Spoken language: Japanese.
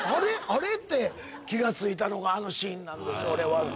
あれ？って気が付いたのがあのシーンなんです。